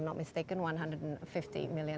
jika tidak salah